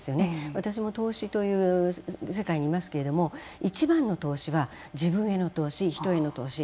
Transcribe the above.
私も投資という世界にいますけど一番の投資は自分への投資人への投資。